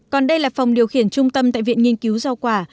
còn đây là phòng điều khiển trung tâm tại viện nghiên cứu giao quả